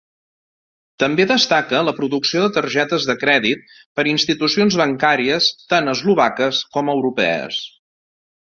També destaca la producció de targetes de crèdit per institucions bancàries tant eslovaques com europees.